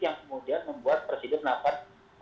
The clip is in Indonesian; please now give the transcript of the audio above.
yang kemudian membuat presiden nafas